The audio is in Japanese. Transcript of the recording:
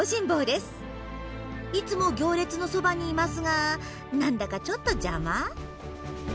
いつも行列のそばにいますが何だかちょっと邪魔？